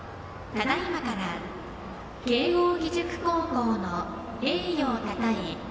ただいまから慶応義塾高校の栄誉をたたえ